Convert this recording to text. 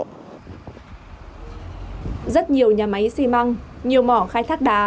rất nhiều nhà máy xi măng nhiều mỏ khai thác đá